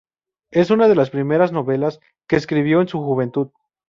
Es una las primeras novelas que escribió en su juventud.